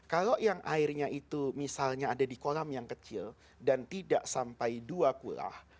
kalau yang airnya itu misalnya ada di kolam yang kecil dan tidak sampai dua kulah